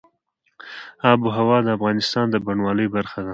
آب وهوا د افغانستان د بڼوالۍ برخه ده.